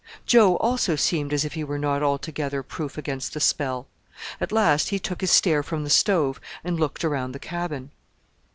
Joe also seemed as if he were not altogether proof against the spell; at last, he took his stare from the stove and looked around the cabin.